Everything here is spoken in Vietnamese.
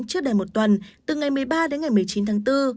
trước đầy một tuần từ ngày một mươi ba đến ngày một mươi chín tháng bốn